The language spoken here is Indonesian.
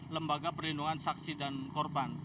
lembaga perlindungan saksi dan korban